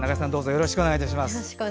よろしくお願いします。